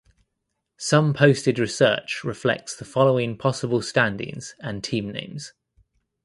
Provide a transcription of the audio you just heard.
Some posted research reflects the following possible standings and team names.